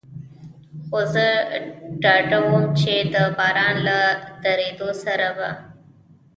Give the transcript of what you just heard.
خو زه ډاډه ووم، چې د باران له درېدو سره به.